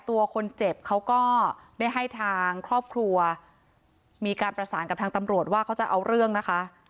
ตัวคนเจ็บเขาก็ได้ให้ทางครอบครัวมีการประสานกับทางตำรวจว่าเขาจะเอาเรื่องนะคะ